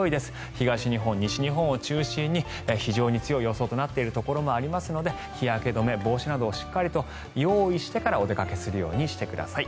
東日本、西日本を中心に非常に強い予想となっていますので日焼け止め帽子などをしっかり用意してからお出かけするようにしてください。